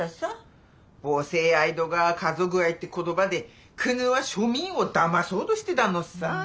母性愛とか家族愛って言葉で国は庶民をだまそうとしてたのっさ。